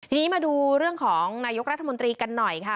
ทีนี้มาดูเรื่องของนายกรัฐมนตรีกันหน่อยค่ะ